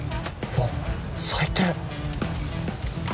わっ最低！